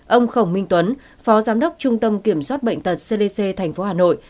ông khổng minh tuấn phó giám đốc trung tâm kiểm soát bệnh tật cdc tp hà nội